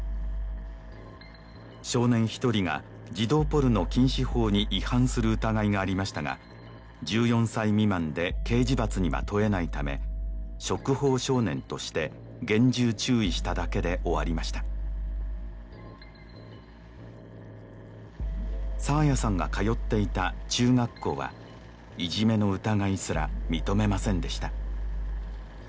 少年１人が児童ポルノ禁止法に違反する疑いがありましたが１４歳未満で刑事罰には問えないため触法少年として厳重注意しただけで終わりました爽彩さんが通っていた中学校はいじめの疑いすら認めませんでした